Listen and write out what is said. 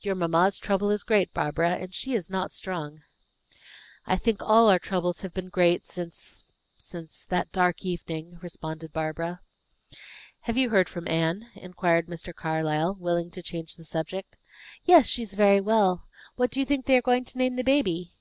"Your mamma's trouble is great, Barbara; and she is not strong." "I think all our troubles have been great since since that dark evening," responded Barbara. "Have you heard from Anne?" inquired Mr. Carlyle, willing to change the subject. "Yes, she is very well. What do you think they are going to name the baby?